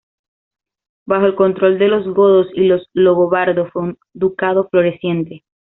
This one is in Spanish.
Bajo el control de los godos y los longobardos fue un ducado floreciente.